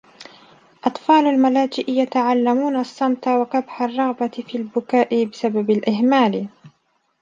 أطفال الملاجئ يتعلمون الصمت و كبح الرغبة في البكاء بسبب الإهمال